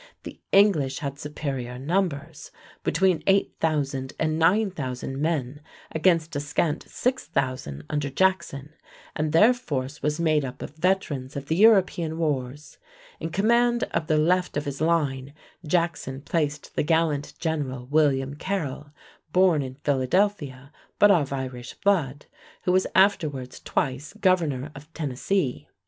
The English had superior numbers, between 8,000 and 9,000 men, against a scant 6,000 under Jackson, and their force was made up of veterans of the European wars. In command of the left of his line Jackson placed the gallant general William Carroll, born in Philadelphia, but of Irish blood, who was afterwards twice governor of Tennessee.